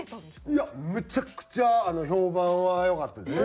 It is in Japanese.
いやめちゃくちゃ評判は良かったです。